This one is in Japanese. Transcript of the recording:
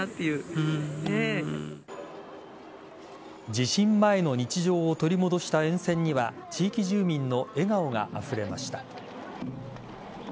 地震前の日常を取り戻した沿線には地域住民の笑顔があふれました。